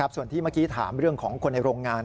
ส่วนที่เมื่อกี้ถามเรื่องของคนในโรงงาน